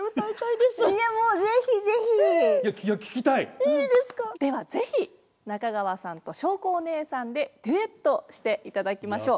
では是非中川さんとしょうこお姉さんでデュエットしていただきましょう。